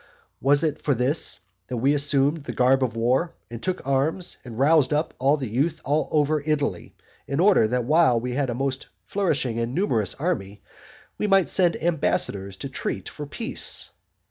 Was it for this that we assumed the garb of war, and took arms and roused up all the youth all over Italy, in order that while we had a most flourishing and numerous army, we might send ambassadors to treat for peace?